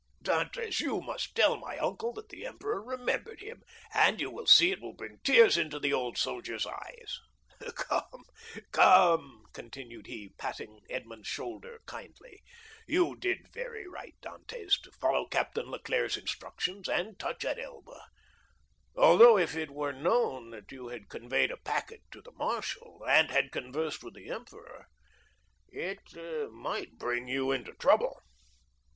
Dantès, you must tell my uncle that the emperor remembered him, and you will see it will bring tears into the old soldier's eyes. Come, come," continued he, patting Edmond's shoulder kindly, "you did very right, Dantès, to follow Captain Leclere's instructions, and touch at Elba, although if it were known that you had conveyed a packet to the marshal, and had conversed with the emperor, it might bring you into trouble."